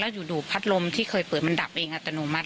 อยู่พัดลมที่เคยเปิดมันดับเองอัตโนมัติ